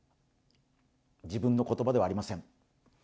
自分の言葉ではありません。